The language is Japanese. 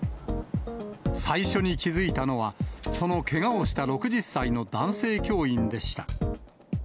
最初に気付いたのは、そのけがをした６０歳の男性教員でした。